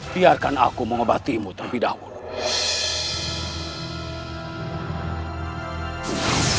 biarkan aku mengobatimu terlebih dahulu